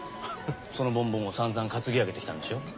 そのボンボンをさんざん担ぎ上げてきたんでしょう？